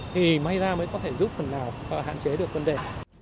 thì may ra mới có thể giúp phần nào hạn chế được vấn đề